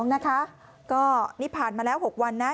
๐๗๔๓๒๘๑๑๒นะคะก็นี่ผ่านมาแล้ว๖วันนะ